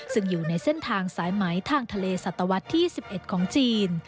ซึ่งอยู่ในเส้นทางสายไหมทางทะเลสัตวรรษที่๑๑ของจีน